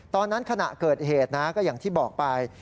ขณะเกิดเหตุนะก็อย่างที่บอกไป